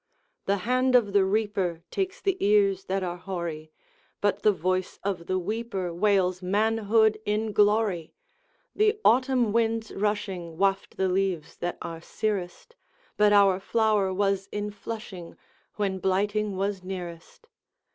The hand of the reaper Takes the ears that are hoary, But the voice of the weeper Wails manhood in glory. The autumn winds rushing Waft the leaves that are searest, But our flower was in flushing, When blighting was nearest.